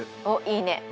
おっいいね！